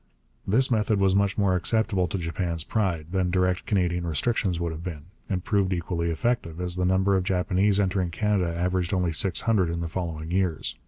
This method was much more acceptable to Japan's pride than direct Canadian restrictions would have been, and proved equally effective, as the number of Japanese entering Canada averaged only six hundred in the following years.